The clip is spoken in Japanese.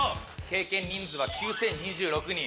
経験人数は９０２６人。